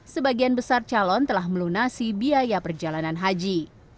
sebagian besar calon telah melunasi biaya perjalanan haji